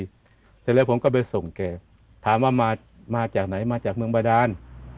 เสร็จแล้วผมก็ไปส่งแกถามว่ามามาจากไหนมาจากเมืองบาดาน